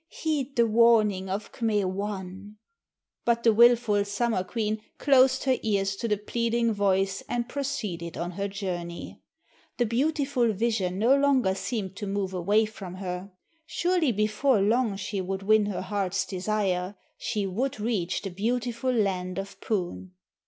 Heed the warning of K'me wan." But the willful Summer Queen closed her ears to the pleading voice and proceeded on her journey. The beautiful vision no longer seemed to move away from her. Surely before long she would win her heart's desire, she would reach the beautiful land of Poon.